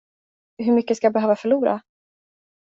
Hur mycket ska jag behöva förlora?